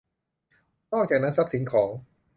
นอกจากนั้นทรัพย์สินของ